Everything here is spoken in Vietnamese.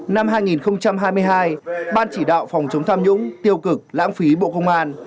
năm hai nghìn hai mươi hai ban chỉ đạo phòng chống tham nhũng tiêu cực lãng phí bộ công an